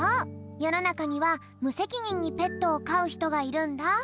よのなかにはむせきにんにペットをかうひとがいるんだ。